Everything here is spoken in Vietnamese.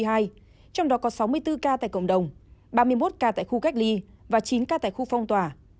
trong đó có sáu mươi bốn ca tại cộng đồng ba mươi một ca tại khu cách ly và chín ca tại khu phong tỏa